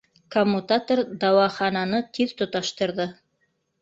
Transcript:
Коммутатор дауахананы тиҙ тоташтырҙы.